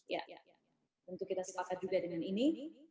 ya tentu kita sepakat juga dengan ini